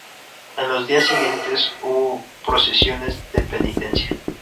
En los días siguientes hubo procesiones de penitencia.